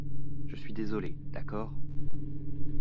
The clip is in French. Je suis désolé, d’accord ?